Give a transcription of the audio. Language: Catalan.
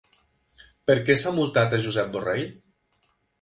Per què s'ha multat a Josep Borrell?